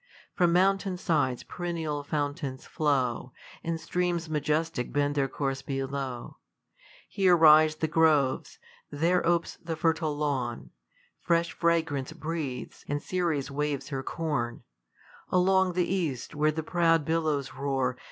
From mountain sides perennial fountains flow, And streams majestic bead their course below. Here rise the groves; there opes the hHUe lawn, Fresh fragrance breathes, and Ceres wn/es her corn Along the east, where the prouJ billows roar.